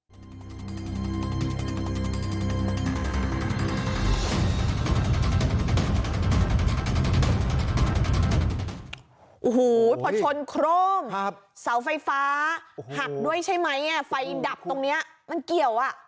โอ้โหพอชนโครมเสาไฟฟ้าหักด้วยใช่ไหมไฟดับตรงนี้มันเกี่ยวอ่ะ